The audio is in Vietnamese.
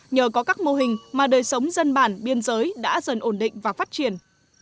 nhờ có các mô hình mà đời sống dân bản biên giới đã dần ổn định và phát triển